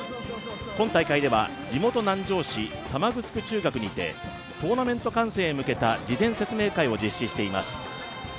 今大会では地元・南城市玉城中学にてトーナメント観戦へ向けた事前説明会を実施しています。